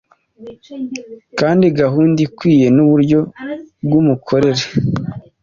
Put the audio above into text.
kandi gahunda ikwiye n’uburyo bw’imukorere